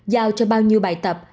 giao cho bao nhiêu bài tập